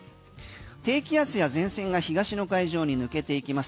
低気圧や前線が東の海上に抜けていきます。